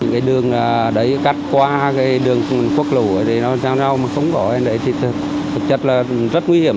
cái đường mà cắt ra đấy thì thực chất rất khí hiểm